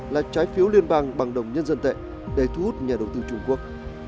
là trái phiếu liên bang bằng đồng nhân dân tệ để thu hút nhà đầu tư trung quốc